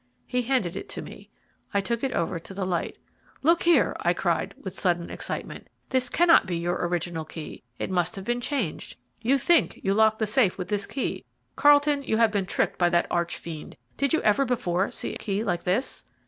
He handed it to me. I took it over to the light. "Look here," I cried, with sudden excitement, "this cannot be your original key it must have been changed. You think you locked the safe with this key. Carlton, you have been tricked by that arch fiend. Did you ever before see a key like this?"